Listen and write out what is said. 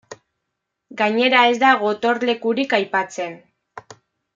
Gainera ez da gotorlekurik aipatzen.